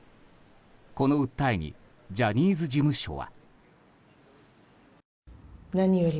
この訴えにジャニーズ事務所は。